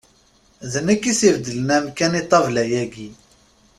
D nekk i s-ibeddlen amkan i ṭṭabla-yaki.